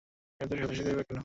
এত সাধাসাধিই বা কেন?